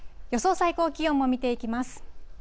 最高気温も見ていきます。